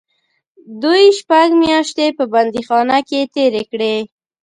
دوی شپږ میاشتې په بندیخانه کې تېرې کړې.